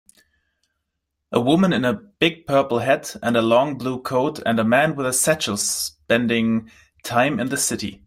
A woman in a big purple hat and a long blue coat and a man with a satchel spending time in the city